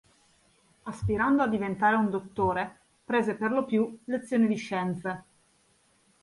Aspirando a diventare un dottore, prese per lo più lezioni di scienze.